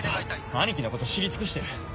兄貴のこと知り尽くしてる。